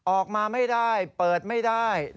ออกมาไม่ได้เปิดไม่ได้